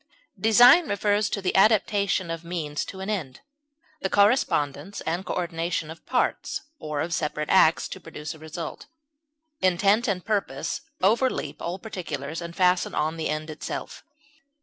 Design refers to the adaptation of means to an end, the correspondence and coordination of parts, or of separate acts, to produce a result; intent and purpose overleap all particulars, and fasten on the end itself.